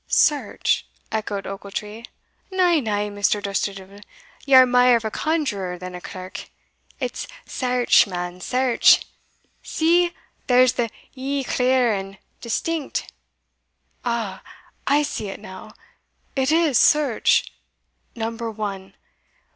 "Search!" echoed Ochiltree; "na, na, Mr. Dusterdeevil, ye are mair of a conjuror than a clerk it's search, man, search See, there's the Ye clear and distinct." "Aha! I see it now it is search number one.